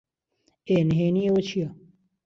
ئێ، نھێنیی ئێوە چییە؟